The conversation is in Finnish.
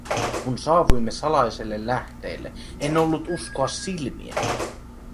Kun saavuimme salaiselle lähteelle, en ollut uskoa silmiäni.